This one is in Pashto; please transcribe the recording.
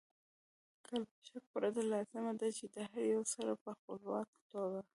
له شک پرته لازمه ده چې د هر یو سره په خپلواکه توګه